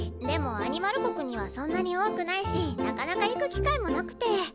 でもアニマル国にはそんなに多くないしなかなか行く機会もなくて。